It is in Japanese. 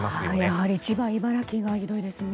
やはり千葉、茨城がひどいですね。